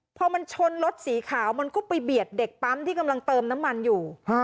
พอมันชนรถสีขาวมันก็ไปเบียดเด็กปั๊มที่กำลังเติมน้ำมันอยู่